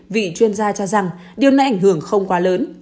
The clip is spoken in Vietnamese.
vị chuyên gia cho rằng điều này ảnh hưởng không quá lớn